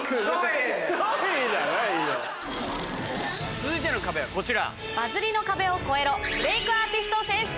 続いての壁はこちら。